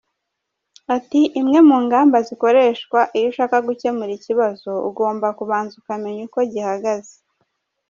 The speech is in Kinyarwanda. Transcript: Ati “Imwe mu ngamba zikoreshwa iyo ushaka gukemura ikibazo, ugomba kubanza ukamenya uko gihagaze.